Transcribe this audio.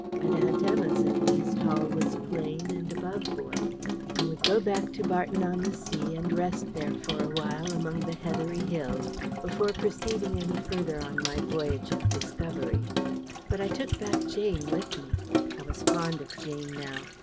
At Aunt Emma's, at least, all was plain and aboveboard. I would go back to Barton on the Sea, and rest there for a while, among the heathery hills, before proceeding any further on my voyage of discovery. But I took back Jane with me. I was fond of Jane now.